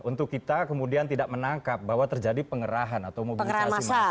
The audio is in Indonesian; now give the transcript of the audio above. untuk kita kemudian tidak menangkap bahwa terjadi pengerahan atau mobilisasi masyarakat